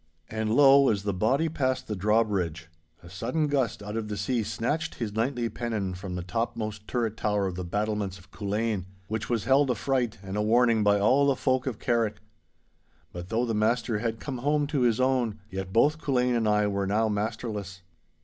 And lo! as the body passed the drawbridge, a sudden gust out of the sea snatched his knightly pennon from the topmost turret tower of the battlements of Culzean, which was held a freit and a warning by all the folk of Carrick. But though the master had come home to his own, yet both Culzean and I were now masterless.